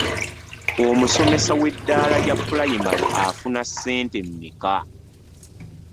Omusomesa w'eddala lya pulayimale afuna ssente mmeka?